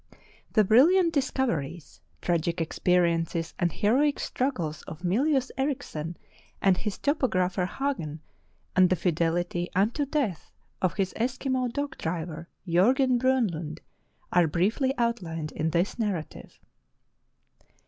The brilliant discoveries, tragic expe riences, and heroic struggles of Mylius Erichsen and his topographer Hagen, and the fidelity unto death of his Eskimo dog driver, Jorgen Bronlund, are briefly outlined in this narrative.